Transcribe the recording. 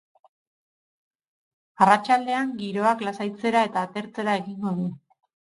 Arratsaldean, giroak lasaitzera eta atertzera egingo du.